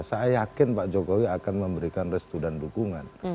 saya yakin pak jokowi akan memberikan restu dan dukungan